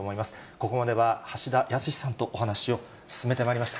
ここまでは橋田康さんとお話を進めてまいりました。